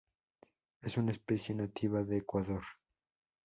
Es una especie nativa de Ecuador.